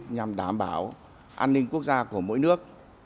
nhằm đảm bảo an ninh quốc gia của mỗi nước